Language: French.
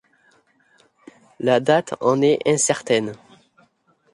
La date en est incertaine.